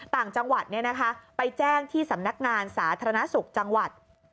ต่างจังหวัดไปแจ้งที่สำนักงานสาธารณสุขจังหวัด